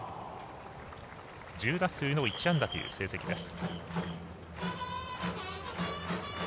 １０打数１安打という成績です。